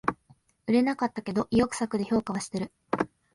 売れなかったけど意欲作で評価はしてる